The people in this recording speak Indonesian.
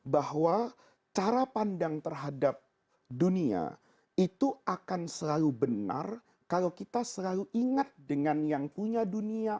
bahwa cara pandang terhadap dunia itu akan selalu benar kalau kita selalu ingat dengan yang punya dunia